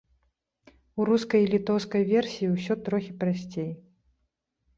У рускай і літоўскай версіі ўсё трохі прасцей.